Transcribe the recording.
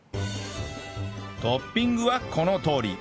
トッピングはこのとおり